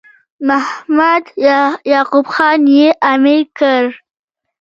محمد یعقوب خان یې امیر کړ.